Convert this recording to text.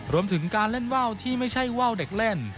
รวมถึงการเล่นว่าวที่ไม่ใช่ว่าวเด็กเล่น